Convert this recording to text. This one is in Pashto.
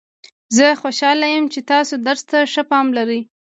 زه خوشحاله یم چې تاسو درس ته ښه پام لرئ